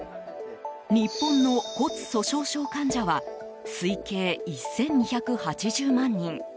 日本の骨粗しょう症患者は推計１２８０万人。